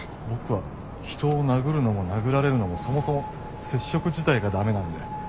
僕は人を殴るのも殴られるのもそもそも接触自体が駄目なんで。